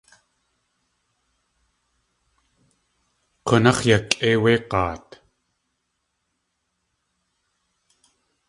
K̲únáx̲ yakʼéi wé g̲aat.